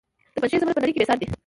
د پنجشیر زمرد په نړۍ کې بې ساري دي